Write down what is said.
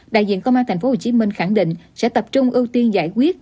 đại diện công an tp hcm khẳng định sẽ tập trung ưu tiên giải quyết